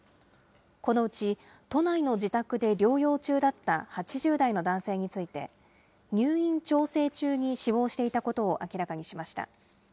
このうち都内の自宅で療養中だった８０代の男性について、入院調整中に死亡していたことを明らかにしました。